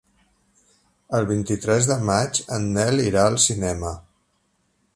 El vint-i-tres de maig en Nel irà al cinema.